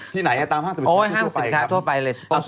ที่ไหนตามห้างจะเป็นสินค้าทั่วไป